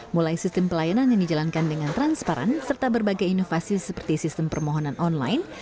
mulai sistem pelayanan yang dijalankan dengan transparan serta berbagai inovasi seperti sistem permohonan online